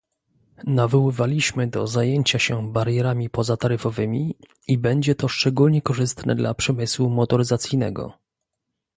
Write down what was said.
Nawoływaliśmy do zajęcia się barierami pozataryfowymi, i będzie to szczególnie korzystne dla przemysłu motoryzacyjnego